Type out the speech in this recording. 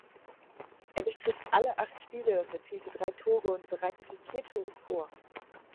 Er bestritt alle acht Spiele und erzielte drei Tore und bereitete vier Tore vor.